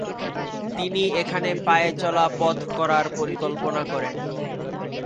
তিনি এখানে পায়ে চলা পথ করার পরিকল্পনা করেন।